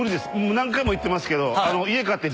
何回も言ってますけど。